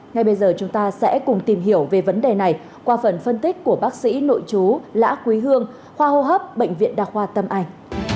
ngay bây giờ chúng ta sẽ cùng tìm hiểu về vấn đề này qua phần phân tích của bác sĩ nội chú lã quý hương khoa hô hấp bệnh viện đa khoa tâm anh